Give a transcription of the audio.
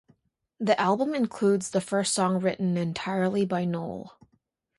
The album includes the first song written entirely by Noll.